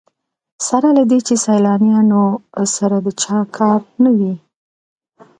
سره له دې چې سیلانیانو سره د چا کار نه وي.